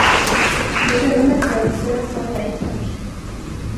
Jag känner mig själv, så jag sa, nej tack.